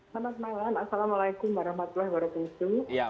selamat malam assalamualaikum